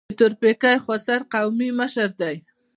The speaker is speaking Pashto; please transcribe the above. د تورپیکۍ خوسر قومي مشر دی.